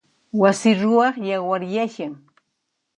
Wasi ruwaq yawaryashan.